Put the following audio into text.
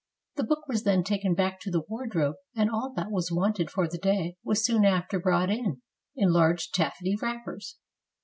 The book was then taken back to the wardrobe, and all that was wanted for the day was soon after brought in, in large taffety wrappers.